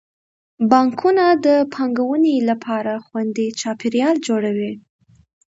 بانکونه د پانګونې لپاره خوندي چاپیریال جوړوي.